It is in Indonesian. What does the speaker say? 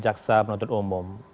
jaksa penuntut umum